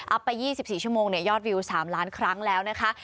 ไป๒๔ชั่วโมงยอดวิว๓ล้านครั้งแล้วนะคะ